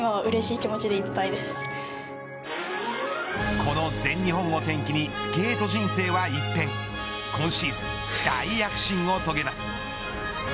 この全日本を転機にスケート人生は一転今シーズン、大躍進を遂げます。